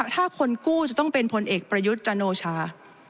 ถ้าคนกู้จะต้องเป็นพลเอกประยุทธ์จันโอชา